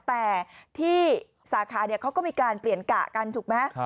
แต่ที่สาขาเขาก็มีการเปลี่ยนกะกันถูกไหม